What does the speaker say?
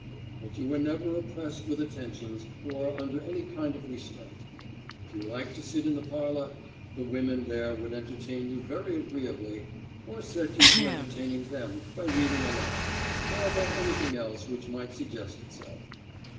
But you were never oppressed with attentions, or under any kind of restraint. If you liked to sit in the parlor, the women there would entertain you very agreeably, or set you to entertaining them by reading aloud, or by anything else which might suggest itself.